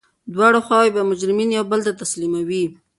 دواړه خواوي به مجرمین یو بل ته تسلیموي.